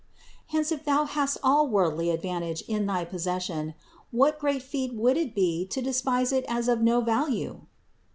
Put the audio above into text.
Hence, if thou hadst all worldly advan tage in thy possession, what great feat would it be to despise it as of no value?